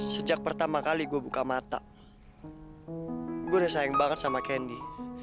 sejak pertama kali gue buka mata gue udah sayang banget sama kendi